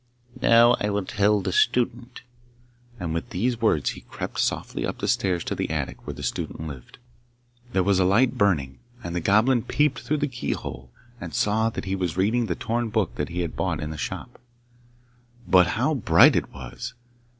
'Now I will tell the student!' and with these words he crept softly up the stairs to the attic where the student lived. There was a light burning, and the Goblin peeped through the key hole and saw that he was reading the torn book that he had bought in the shop. But how bright it was!